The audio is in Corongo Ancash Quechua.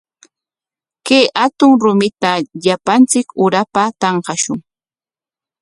Kay hatun rumita llapanchik urapa tanqashun.